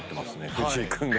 藤井君が。